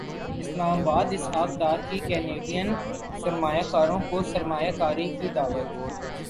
اسلام اباد اسحاق ڈار کی کینیڈین سرمایہ کاروں کو سرمایہ کاری کی دعوت